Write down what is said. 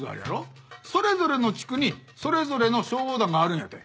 それぞれの地区にそれぞれの消防団があるんやて。